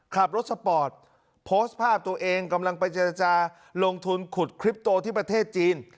ขับรถสปอร์ตโพสต์ภาพตัวเองกำลังไปเจรจาลงทุนขุดคลิปโตที่ประเทศจีน